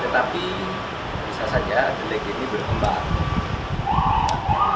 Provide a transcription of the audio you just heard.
tetapi bisa saja delik ini berkembang